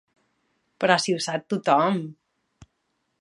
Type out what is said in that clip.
Però si ho sap tothom!